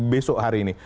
besok hari ini